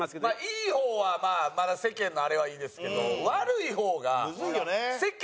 いい方はまだ世間のあれはいいですけど悪い方が。